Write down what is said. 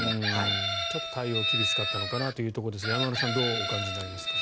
ちょっと対応が厳しかったのかなというところですが山村さん、どう思われますか。